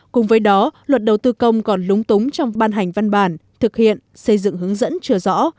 cùng với đó luật đầu tư công còn lúng túng trong ban hành văn bản thực hiện xây dựng hướng dẫn chưa rõ